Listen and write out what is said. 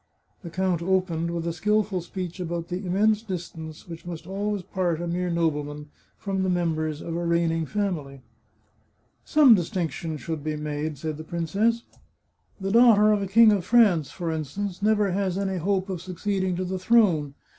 The count opened with a skilful speech about 320 The Chartreuse of Parma the immense distance which must always part a mere noble man from the members of a reigning family. " Some distinction should be made," said the princess. " The daughter of a King of France, for instance, never has any hope of succeeding to the throne.